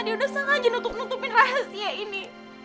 nadia udah serah aja nutup nutupin rahasia ini